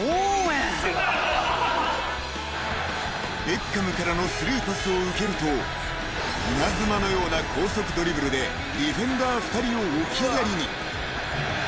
［ベッカムからのスルーパスを受けると稲妻のような高速ドリブルでディフェンダー２人を置き去りに］